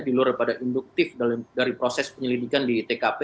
di luar daripada induktif dari proses penyelidikan di tkp